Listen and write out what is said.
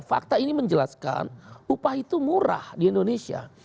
fakta ini menjelaskan upah itu murah di indonesia